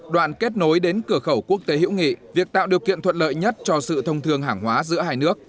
đoạn kết nối đến cửa khẩu quốc tế hữu nghị việc tạo điều kiện thuận lợi nhất cho sự thông thường hàng hóa giữa hai nước